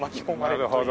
なるほど。